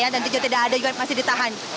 dan juga tidak ada juga yang masih ditahan